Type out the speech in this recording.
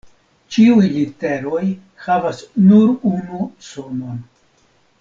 Ĉiuj literoj havas nur unu sonon.